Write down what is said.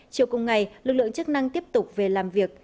chiều cùng ngày lực lượng chức năng tiếp tục về làm việc